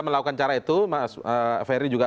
melakukan cara itu mas ferry juga